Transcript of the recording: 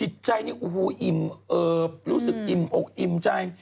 หุ้หู้ห่ออกอิ่มอิ่มใช่